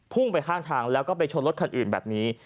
ไปข้างทางแล้วก็ไปชนรถคันอื่นแบบนี้